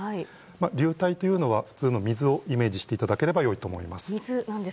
流体というのは普通の水をイメージしていただければよいと思います。